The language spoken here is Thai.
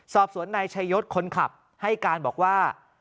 สอบสวนนายชายศคนขับให้การบอกว่า